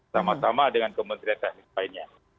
sama sama dengan kementerian teknis lainnya